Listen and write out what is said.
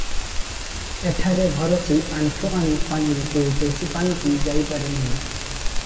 ଏଠାରେ ଭରସି ଆଣ୍ଠୁ ଆଣି ପାଣିରୁ କେହି ବେଶି ପାଣିକି ଯାଇପାରେ ନାହିଁ ।